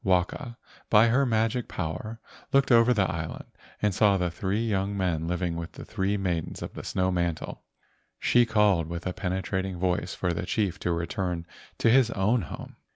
Waka, by her magic power, looked over the island and saw the three young men living with the three maidens of the snow mantle. She called with a penetrating voice for the chief to return to his own home.